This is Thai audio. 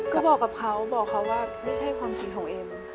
ก็บอกกับเขาบอกเขาว่าไม่ใช่ความคิดของเอ็ม